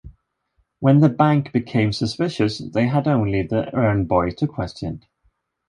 When the bank became suspicious, they had only the errand boy to question.